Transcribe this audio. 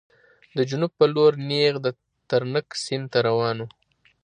د جنوب په لور نېغ د ترنک سیند ته روان و.